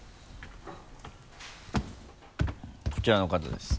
こちらの方です。